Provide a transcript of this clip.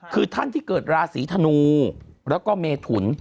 คือท่านที่เกิดราศีธนูแล้วก็เมถุน